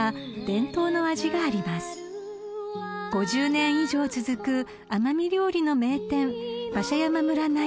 ［５０年以上続く奄美料理の名店］